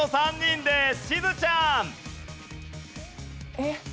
えっ？